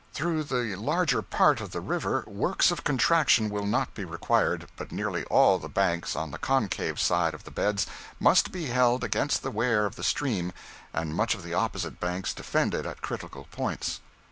Through the larger part of the river works of contraction will not be required, but nearly all the banks on the concave side of the beds must be held against the wear of the stream, and much of the opposite banks defended at critical points.